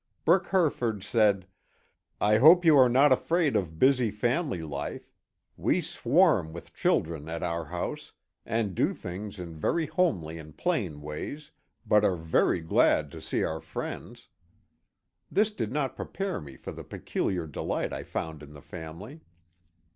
Brooke Herford said :^^ I hope yon are not afraid of busy family life ! We swarm with children at our house — and do things in very homely and plain ways — but are very glad to see our friends." This did not prepare me for the peculiar delight I found in the family.